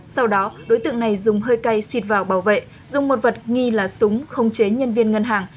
sau đó đối tượng này dùng hơi cay xịt vào bảo vệ dùng một vật nghi là súng khống chế nhân viên ngân hàng